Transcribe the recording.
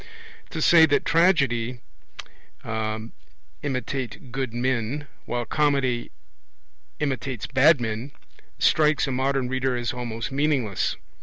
To say that tragedy 'imitates good men' while comedy 'imitates bad men' strikes a modern reader as almost meaningless.